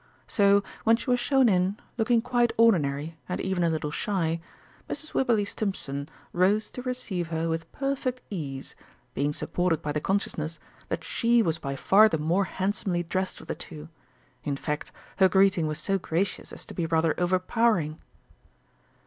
So, when she was shown in, looking quite ordinary, and even a little shy, Mrs. Wibberley Stimpson rose to receive her with perfect ease, being supported by the consciousness that she was by far the more handsomely dressed of the two. In fact her greeting was so gracious as to be rather overpowering.